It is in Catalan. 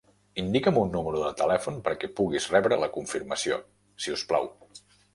Indica'm un número de telèfon perquè puguis rebre la confirmació, si us plau.